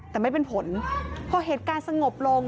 แต่ไม่เป็นผลพอเหตุการณ์สงบลง